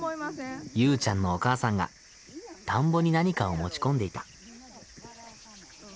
ゆうちゃんのお母さんが田んぼに何かを持ち込んでいた。